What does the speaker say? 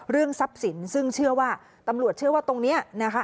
ทรัพย์สินซึ่งเชื่อว่าตำรวจเชื่อว่าตรงนี้นะคะ